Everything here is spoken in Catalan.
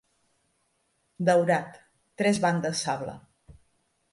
Daurat, tres bandes sable